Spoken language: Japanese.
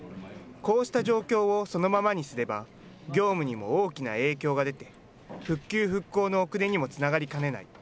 こうした状況をそのままにすれば、業務にも大きな影響が出て、復旧・復興の遅れにもつながりかねない。